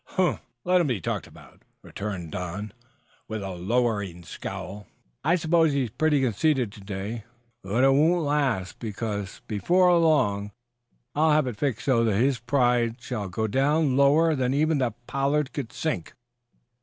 "Humph! Let him be talked about," returned Don, with a lowering scowl. "I suppose he's pretty conceited to day, but it won't be long before I'll have it fixed so that his pride shall go down lower than ever the 'Pollard' could sink."